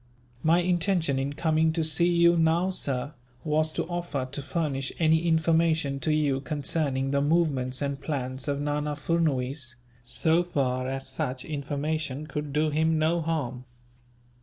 "My intention, in coming to see you now, sir, was to offer to furnish any information to you, concerning the movements and plans of Nana Furnuwees, so far as such information could do him no harm."